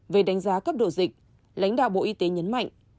về đánh giá cấp độ dịch lãnh đạo bộ y tế nhấn mạnh